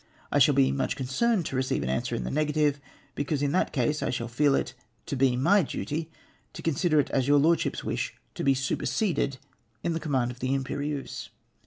I shall be much concerned to receive an answer in the negative, because in that case I shall feel it to be my duty to consider it as your Lordship's wish to be superseded in the command of the Irnperieuse.